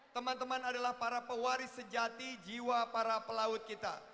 teman teman adalah para pewaris sejati jiwa para pelaut kita